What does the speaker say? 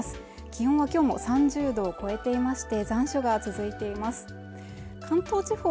気温が今日も３０度を超えていまして残暑が続いています関東地方